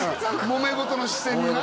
もめ事の視線にな？